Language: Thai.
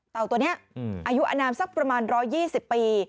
ตัวนี้อายุอนามสักประมาณ๑๒๐ปี